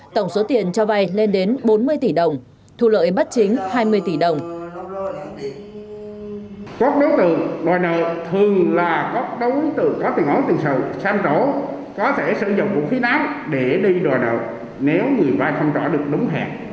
tổng số tiền cho vai lên đến bốn mươi tỷ đồng thu lợi bắt chính hai mươi tỷ đồng